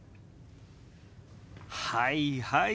はいはい。